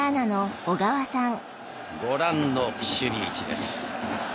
ご覧の守備位置です。